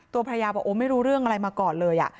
ตัวภรรยาบอกโอ้ไม่รู้เรื่องอะไรมาก่อนเลย